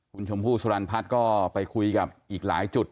คุณชมพู่สุรรณพัฒน์ก็ไปคุยกับอีกหลายจุด